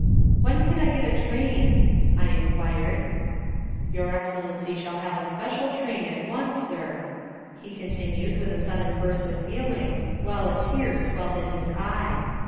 "When can I get a train?" I inquired. "Your Excellency shall have a special train at once, Sir," he continued with a sudden burst of feeling, while a tear swelled in his eye.